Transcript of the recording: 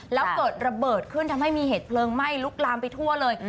แล้วเกิดระเบิดขึ้นทำให้มีเหตุเพลิงไหม้ลุกลามไปทั่วเลย